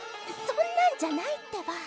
そんなんじゃないってば。